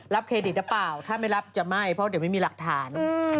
เครดิตหรือเปล่าถ้าไม่รับจะไม่เพราะเดี๋ยวไม่มีหลักฐาน